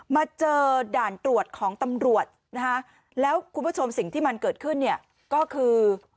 มาเจอด่านตรวจของตำรวจนะคะแล้วคุณผู้ชมสิ่งที่มันเกิดขึ้นเนี่ยก็คือ